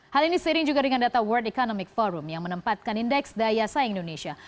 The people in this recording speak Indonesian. hal ini seiring juga dengan data world economic forum yang menempatkan indeks daya saing indonesia